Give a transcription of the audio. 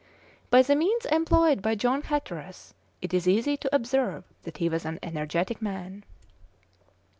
By the means employed by John Hatteras, it is easy to observe that he was an energetic man.